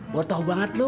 botoh banget lu